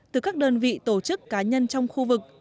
từ các đơn vị tổ chức cá nhân trong khu vực